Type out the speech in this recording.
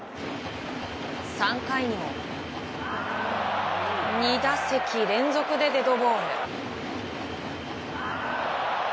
３回にも２打席連続でデッドボール。